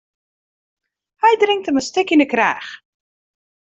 Hy drinkt him in stik yn 'e kraach.